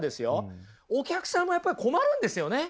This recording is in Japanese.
お客さんもやっぱり困るんですよね！